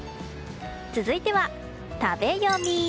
続いては食べヨミ。